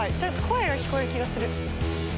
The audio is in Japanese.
・声が聞こえる気がする。